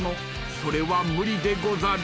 それは無理でござる。